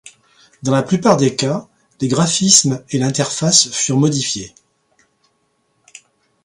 Dans la plupart des cas, les graphismes et l’interface furent modifiés.